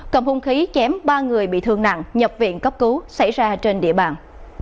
cầm hung khí chém ba người bị thương nặng nhập viện cấp cứu xảy ra trên địa bàn